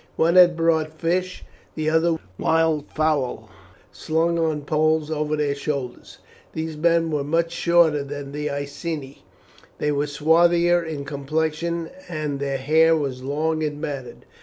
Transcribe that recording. One had brought fish, the other wildfowl, slung on poles over their shoulders. These men were much shorter than the Iceni, they were swarthier in complexion, and their hair was long and matted.